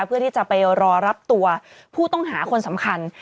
เพื่อที่จะไปรอรับตัวผู้ต้องหาคนสำคัญ